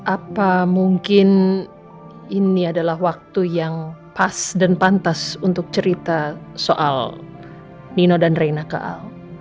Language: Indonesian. apa mungkin ini adalah waktu yang pas dan pantas untuk cerita soal nino dan reina ke al